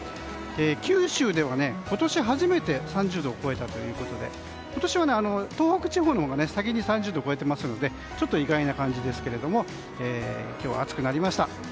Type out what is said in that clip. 九州では今年初めて３０度を超えたということで今年は東北地方のほうが先に３０度を超えていますのでちょっと意外な感じですが今日は暑くなりました。